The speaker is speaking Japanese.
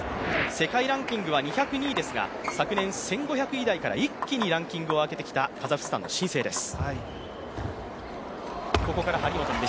世界ランキングは２０２位ですが昨年１５００台から、一気にランキングを上げてきた、カザフスタンの新星です。